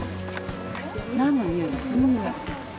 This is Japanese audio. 何のにおいだ？